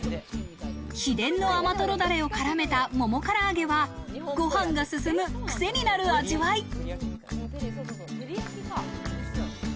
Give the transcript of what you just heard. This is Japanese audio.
秘伝の甘とろダレを絡めたももから揚げは、ご飯がすすむ、くせになる味わい。